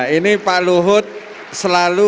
ini pak luhut selalu